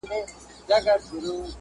که هر څه مې د دنیا ملکونه ډیر شي